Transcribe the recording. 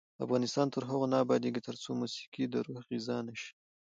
افغانستان تر هغو نه ابادیږي، ترڅو موسیقي د روح غذا نشي.